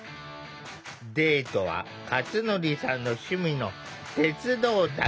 デートはかつのりさんの趣味の鉄道旅。